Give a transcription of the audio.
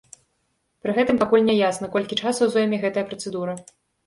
Пры гэтым пакуль не ясна, колькі часу зойме гэтая працэдура.